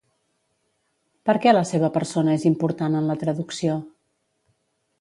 Per què la seva persona és important en la traducció?